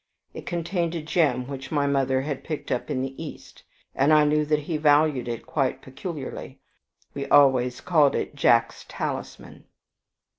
It contained a gem which my mother had picked up in the East, and I knew that he valued it quite peculiarly. We always called it Jack's talisman.